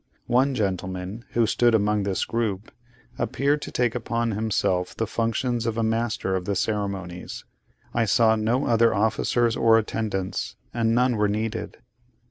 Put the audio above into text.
One gentleman who stood among this group, appeared to take upon himself the functions of a master of the ceremonies. I saw no other officers or attendants, and none were needed.